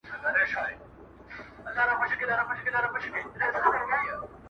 انارکلي اوښکي دي مه تویوه٫